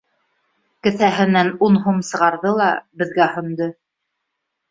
Кеҫәһенән ун һум сығарҙы ла, беҙгә һондо.